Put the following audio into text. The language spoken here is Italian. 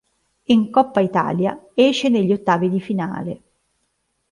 In Coppa Italia esce negli ottavi di finale.